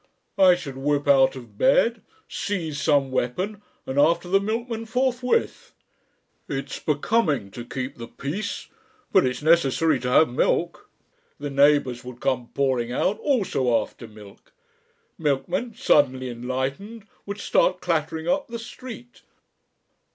I should whip out of bed, seize some weapon, and after the milkman forthwith. It's becoming to keep the peace, but it's necessary to have milk. The neighbours would come pouring out also after milk. Milkman, suddenly enlightened, would start clattering up the street.